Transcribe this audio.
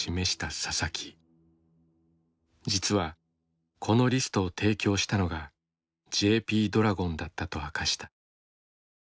実はこのリストを提供したのがＪＰドラゴンだったと明かした。